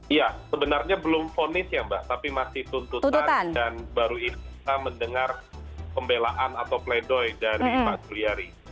iya sebenarnya belum fonis ya mbak tapi masih tuntutan dan baru ini kita mendengar pembelaan atau pledoy dari pak juliari